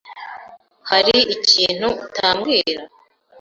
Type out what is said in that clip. Hari ikintu utambwira?